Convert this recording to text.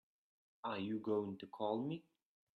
Are you going to call me?